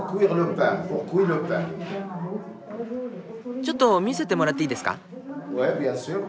ちょっと見せてもらっていいですか？